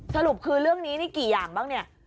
สรุปคือเรื่องนี้นี่กี่อย่างบ้างเนี่ย